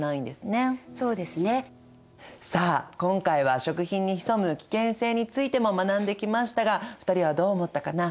さあ今回は食品に潜む危険性についても学んできましたが２人はどう思ったかな？